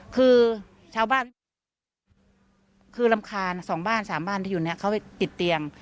คือชาวบ้านคือรำคาญสองบ้านสามบ้านที่อยู่เนี่ยเขาไปติดเตียง